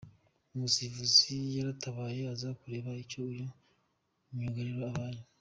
umusifuzi yaratabaye aza kureba icyo uyu myugariro abaye.